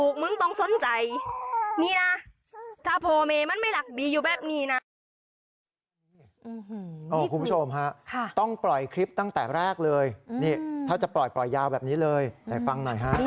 คุณผู้ชมฮะต้องปล่อยคลิปตั้งแต่แรกเลยนี่ถ้าจะปล่อยยาวแบบนี้เลยฟังหน่อยฮะ